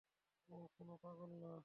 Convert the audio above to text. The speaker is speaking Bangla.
ও কোনও পাগল না।